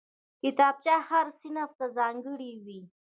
کتابچه هر صنف ته ځانګړې وي